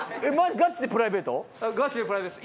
ガチでプライベートです。